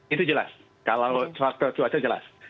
itu jelas kalau faktor cuaca jelas